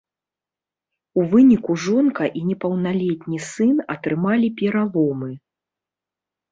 У выніку жонка і непаўналетні сын атрымалі пераломы.